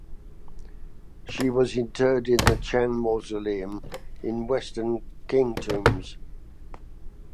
She was interred in the Chang Mausoleum in Western Qing tombs.